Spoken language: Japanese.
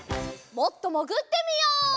もっともぐってみよう！